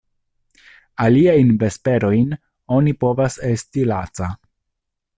Aliajn vesperojn oni povas esti laca.